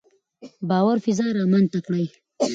باور فضا رامنځته کړئ.